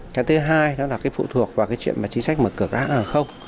cái thứ hai đó là cái phụ thuộc vào cái chuyện mà chính sách mở cửa các hãng hàng không